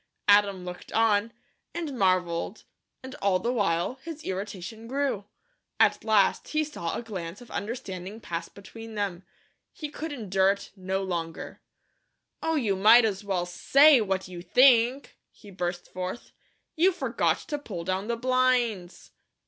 Adam looked on, and marvelled and all the while his irritation grew. At last he saw a glance of understanding pass between them. He could endure it no longer. "Oh, you might as well SAY what you think," he burst forth. "You forgot to pull down the blinds."